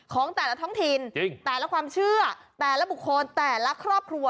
ของแต่ละท้องถิ่นแต่ละความเชื่อแต่ละบุคคลแต่ละครอบครัว